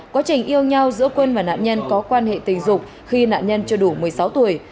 quá trình yêu nhau giữa quân và nạn nhân có quan hệ tình dục khi nạn nhân chưa đủ một mươi sáu tuổi